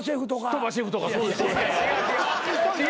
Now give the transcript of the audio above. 鳥羽シェフとかそうです。